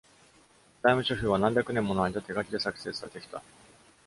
財務諸表は何百年もの間、手書きで作成されてきた。